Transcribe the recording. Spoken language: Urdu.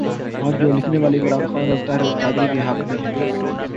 آج جو لکھنے والے عمران خان اور طاہرالقادری کے حق میں ہیں۔